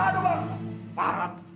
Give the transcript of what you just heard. percukupan ziek abang noy